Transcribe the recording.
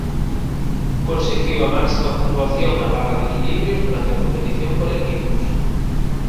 Conseguiu a máxima puntuación na barra de equilibrios durante a competición por equipos.